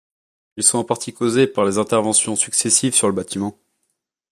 Ils sont en partie causés par les interventions successives sur le bâtiment.